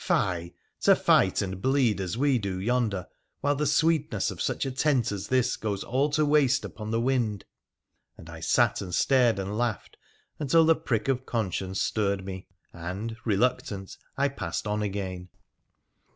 Fie ! to fight and bleed as we do yonder, while the sweetness of such a teut as this goes all to waste upon the wind !' and I sat and stared and laughed PBRA TH£ PHCENICIAH 243 Until the prick of conscience stirred me and, reluctant, I passed on again.